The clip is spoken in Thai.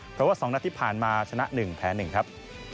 เพราะว่า๒นัดที่ผ่านมาชนะ๑แพ้๑ครับ